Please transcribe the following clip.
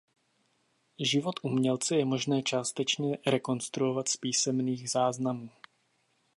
Život umělce je možné částečně rekonstruovat z písemných záznamů.